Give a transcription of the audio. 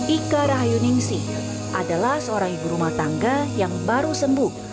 ika rahayuningsi adalah seorang ibu rumah tangga yang baru sembuh